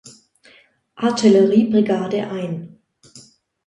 Artilleriebrigade ein.